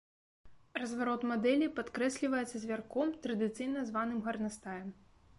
Разварот мадэлі падкрэсліваецца звярком, традыцыйна званым гарнастаем.